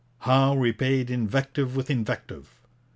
Howe repaid invective with invective.